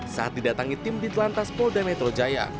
saat didatangi tim di telantas polda metro jaya